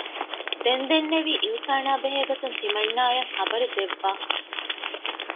ދެން ދެންނެވީ އިޙުސާނާ ބެހޭ ގޮތުން ތިމަންނާއަށް ޚަބަރު ދެއްވާ